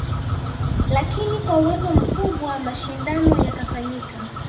Lakini kwa uwezo mkubwa mashindano yakafanyika